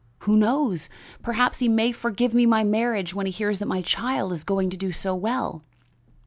Who knows? Perhaps he may forgive me my marriage when he hears that my child is going to do so well!